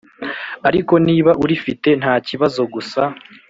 ariko niba urifite ntakibazo gusa